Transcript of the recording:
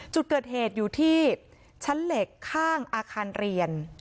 จุดเกิดเหตุอยู่ที่ชั้นเหล็กข้างอาคารเรียน